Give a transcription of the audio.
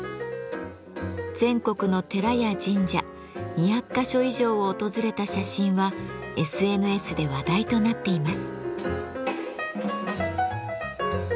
全国の寺や神社２００か所以上を訪れた写真はＳＮＳで話題となっています。